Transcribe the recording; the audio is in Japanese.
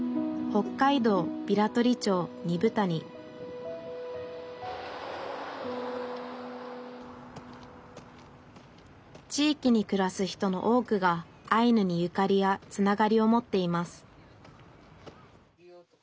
北海道平取町二風谷地域にくらす人の多くがアイヌにゆかりやつながりを持っています